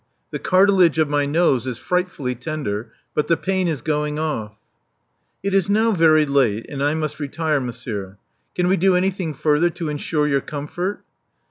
The cartilage of my nose is frightfully tender; but the pain is going off." It is now very late; and I must retire, monsieur. Can we do anything further to insure your comfort?"